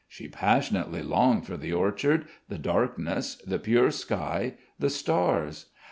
She passionately longed for the orchard, the darkness, the pure sky, the stars.